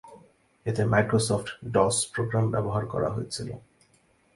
এতে Microsoft DOS program ব্যবহার করা হয়েছিল।